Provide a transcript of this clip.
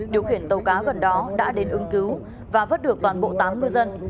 điều khiển tàu cá gần đó đã đến ưng cứu và vất được toàn bộ tám ngư dân